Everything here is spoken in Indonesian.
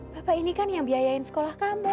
bapak ini kan yang biayain sekolah kamar